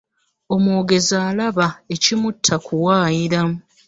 Omwogezi alaba ekimutta kuwaayira.